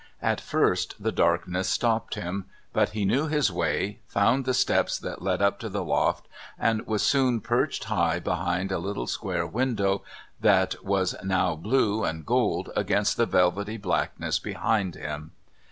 At first the darkness stopped him; but he knew his way, found the steps that led up to the loft, and was soon perched high behind a little square window that was now blue and gold against the velvety blackness behind him.